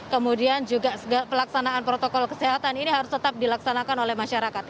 kemudian juga pelaksanaan protokol kesehatan ini harus tetap dilaksanakan oleh masyarakat